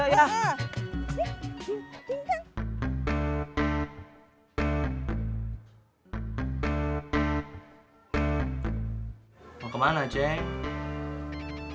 mau kemana ceng